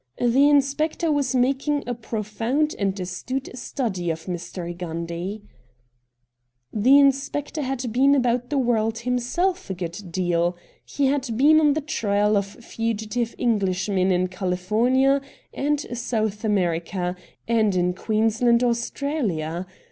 The inspector was making a pro found and astute study of Mr. Gundy. The 126 RED DIAMONDS inspector had been about the world himself a good deal. He had been on the trail of fugitive Englishmen in California and South Africa, and in Queensland, Austraha.